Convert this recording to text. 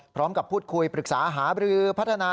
พร้อมกับพูดคุยปรึกษาหาบรือพัฒนา